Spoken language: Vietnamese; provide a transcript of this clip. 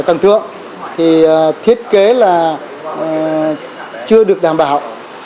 tầng thượng thì thiết kế là chưa được đảm bảo